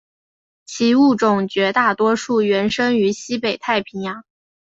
其物种绝大多数原生于西北太平洋。